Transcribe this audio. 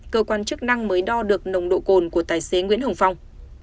cơ quan chức năng mới đo được nồng độ cồn của tài xế nguyễn hồng phong